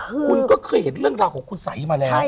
คุณก็เคยเห็นเรื่องราวของคุณสัยมาแล้ว